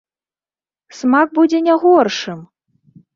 Смак будзе не горшым!